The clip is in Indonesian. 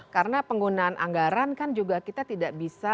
karena penggunaan anggaran kan juga kita tidak bisa